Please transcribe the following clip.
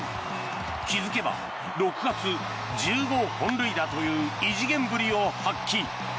気付けば６月１５本塁打という異次元ぶりを発揮。